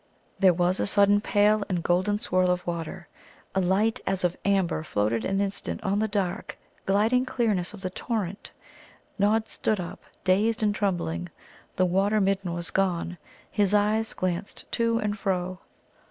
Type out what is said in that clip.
There was a sudden pale and golden swirl of water. A light as of amber floated an instant on the dark, gliding clearness of the torrent. Nod stood up dazed and trembling. The Water midden was gone. His eyes glanced to and fro.